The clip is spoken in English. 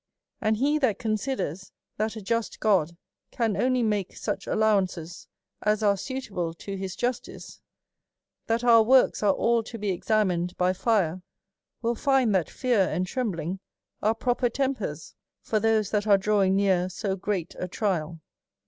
And he that considers that a just God can only make such allowances as are suitable to his justice, that our works are all to be examined by lire, will find that fear and trembling are proper tempers for those that are drawing near so great a trial.